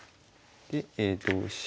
で同飛車。